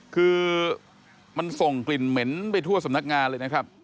คือมันส่งกลิ่นเหม็นไปทั่วสำนักงานเลยนะครับ